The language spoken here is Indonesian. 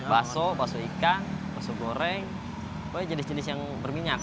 baso baso ikan baso goreng jenis jenis yang berminyak